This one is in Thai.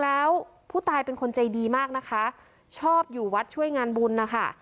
แล้วผู้ตายเป็นคนใจดีมากนะคะชอบอยู่วัดช่วยงานบุญนะคะ